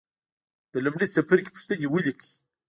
د لومړي څپرکي پوښتنې ولیکئ.